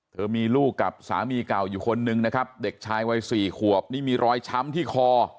เธอมีลูกกับสามีเก่าอยู่คนนึงนะครับเด็กชายวัยสี่ขวบนี่มีรอยช้ำที่คอ